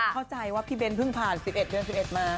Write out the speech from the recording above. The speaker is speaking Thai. เข้าใจว่าพี่เบ้นเพิ่งผ่าน๑๑เดือน๑๑มา